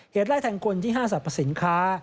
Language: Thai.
เหตุไล่แทงคนที่ห้าสัตว์ประสินค้า